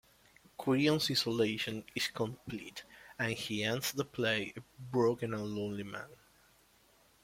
Creon's isolation is complete and he ends the play a broken and lonely man.